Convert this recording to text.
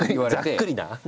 ざっくりな。